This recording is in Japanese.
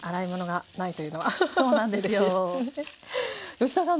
吉田さん